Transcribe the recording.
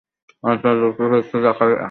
আলোচনা যথেষ্ট হয়েছে জাকারিয়া।